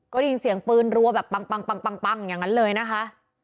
ก็ได้ยินเสียงปืนรัวแบบปังอย่างนั้นเลยนะคะ